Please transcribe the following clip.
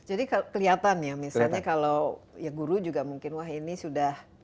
jadi kelihatan ya misalnya kalau guru juga mungkin wah ini sudah berhasil